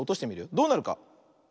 どうなるか。